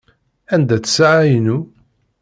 Anda-tt ssaεa-inu?